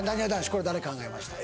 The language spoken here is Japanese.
これ誰が考えました？